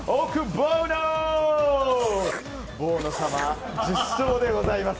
ボーノ様、１０勝でございます。